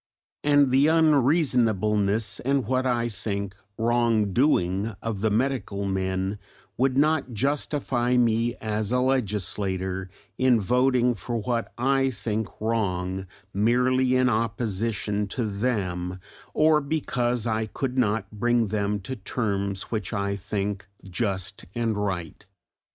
And the unreasonableness and what I think wrongdoing of the Medical Men would not justify me as a legislator in voting for what I think wrong merely in opposition to them or because I could not bring them to terms which I think just and right.